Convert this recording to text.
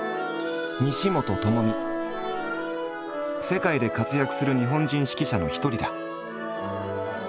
世界で活躍する日本人指揮者の一人だ。